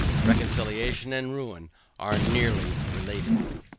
Reconciliation and ruin are nearly related.